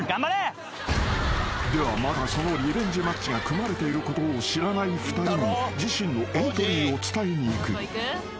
［ではまだそのリベンジマッチが組まれていることを知らない２人に自身のエントリーを伝えに行く］